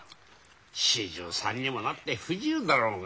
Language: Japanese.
４３にもなって不自由だろうが。